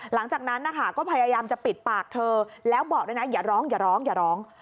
หลังจากนั้นนะคะก็พยายามจะปิดปากเธอแล้วบอกด้วยนะอย่าร้องอย่าร้องอย่าร้อง